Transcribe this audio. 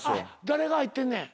誰が入ってんねん。